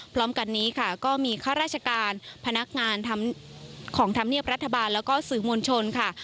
พร้อมกันนี้ค่ะก็มีข้าราชการพนักงานของธรรมเนียบรัฐบาลแล้วก็สื่อมวลชนค่ะ